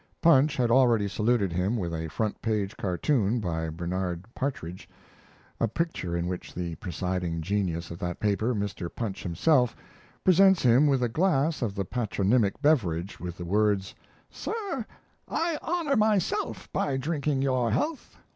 Punch had already saluted him with a front page cartoon by Bernard Partridge, a picture in which the presiding genius of that paper, Mr. Punch himself, presents him with a glass of the patronymic beverage with the words, "Sir, I honor myself by drinking your health.